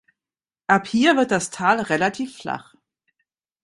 Ab hier wird das Tal relativ flach.